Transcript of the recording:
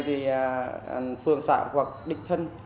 thì phương xã hoặc địch thân